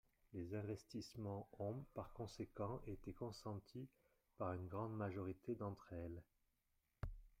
Les investissements ont, par conséquent, été consentis par une grande majorité d’entre elles.